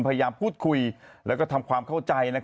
พยายามพูดคุยแล้วก็ทำความเข้าใจ